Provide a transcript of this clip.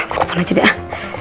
gue telfon aja deh ah